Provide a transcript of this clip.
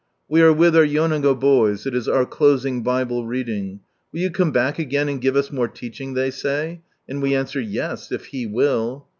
... We are with our Yonago boys ; it is our closing Bible Reading. " Will you come back again and give us more teaching ?" they say ; and we answer " Yes, if He will."